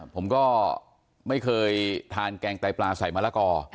ผมก็ไม่เคยทานแกงไตปลาใส่มะละกอ